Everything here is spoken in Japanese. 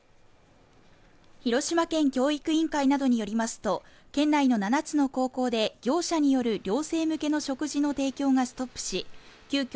広島県教育委員会などによりますと県内の７つの高校で業者による寮生向けの食事の提供がストップし急きょ